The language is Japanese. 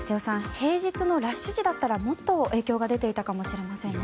平日のラッシュ時だったらもっと影響が出ていたかもしれませんね。